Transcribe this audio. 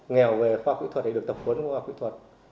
nghèo về khoa kỹ thuật thì được tập huấn khoa học kỹ thuật